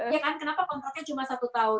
ya kan kenapa kontraknya cuma satu tahun